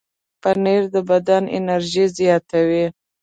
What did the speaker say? پنېر د بدن انرژي زیاتوي.